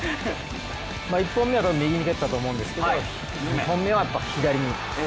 一本目は右に蹴ったと思うんですけど２本目は左に。